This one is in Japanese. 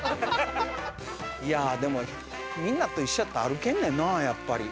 いやでもみんなと一緒やったら歩けんねんなやっぱり。